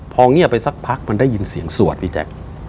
พอเงียบไปสักพักมันได้ยินเสียงสวดพี่แจ๊ค